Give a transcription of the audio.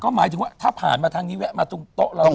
หมายถึงว่าถ้าผ่านมาทางนี้แวะมาตรงโต๊ะเรา